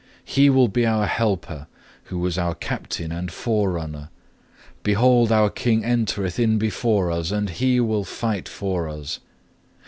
He will be our helper, who was our Captain and Forerunner. Behold our King entereth in before us, and He will fight for us.